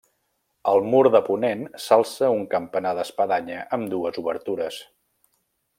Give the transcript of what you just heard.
Al mur de ponent s'alça un campanar d'espadanya amb dues obertures.